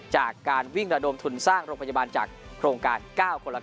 จากการวิ่งระดมทุนสร้างโรงพยาบาลจากโครงการ๙คนละ๙